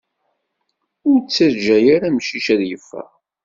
Ur ttaǧa ara amcic ad yeffeɣ